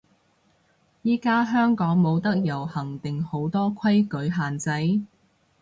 依家香港冇得遊行定好多規矩限制？